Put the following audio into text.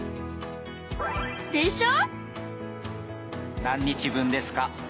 でしょ！